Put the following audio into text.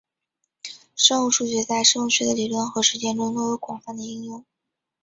生物数学在生物学的理论和实践中都有广泛的应用。